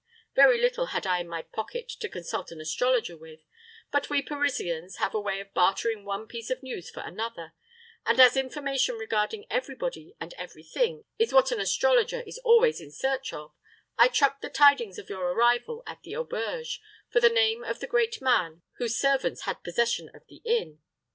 Very little had I in my pocket to consult an astrologer with; but we Parisians have a way of bartering one piece of news for another; and as information regarding every body and every thing is what an astrologer is always in search of, I trucked the tidings of your arrival at the auberge for the name of the great man whose servants had possession of the inn.